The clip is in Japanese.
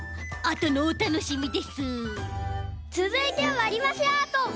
つづいてはわりばしアート。